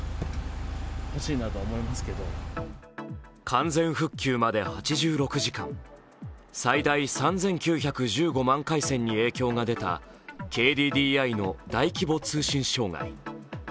完全復旧まで８６時間、最大３９１５万回線に影響が出たＫＤＤＩの大規模通信障害。